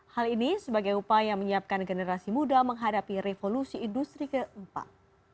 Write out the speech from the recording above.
hal ini sebagai upaya menyiapkan generasi muda menghadapi revolusi industri keempat